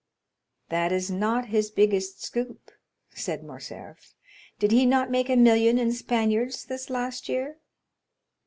"That is not his biggest scoop," said Morcerf; "did he not make a million in Spaniards this last year?"